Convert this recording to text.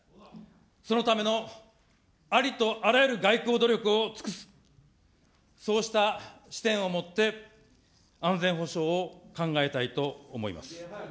そのためのありとあらゆる外交努力を尽くす、そうした視点を持って安全保障を考えたいと思います。